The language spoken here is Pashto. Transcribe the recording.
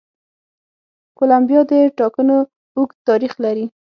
کولمبیا د ټاکنو اوږد تاریخ لري.